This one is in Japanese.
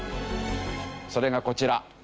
それがこちら。